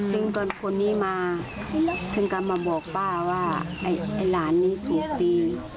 ซึ่งตอนคนนี้มาถึงกำมาบอกป้าว่าเขานที่ร้านนี้ถูกตี